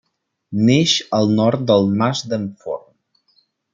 Neix al nord del Mas d'en Forn.